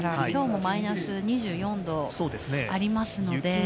今日もマイナス２４度ですので。